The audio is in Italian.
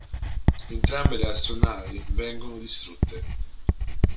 Entrambe le astronavi vengono distrutte.